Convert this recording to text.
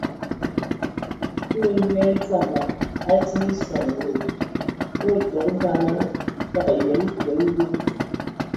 Kulu nyaa dzabag, a atin eson wos, a udzogo vala, nye təgə yəm kə mbil.